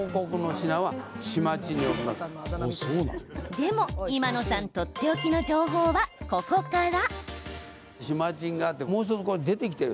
でも今野さんとっておきの情報はここから。